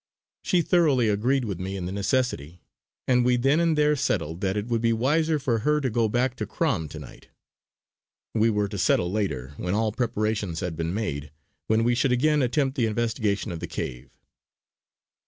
She thoroughly agreed with me in the necessity; and we then and there settled that it would be wiser for her to go back to Crom to night. We were to settle later, when all preparations had been made, when we should again attempt the investigation of the cave.